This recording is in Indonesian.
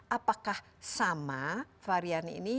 apakah sama varian ini